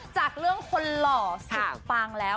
จากเรื่องคนหล่อสุดปังแล้ว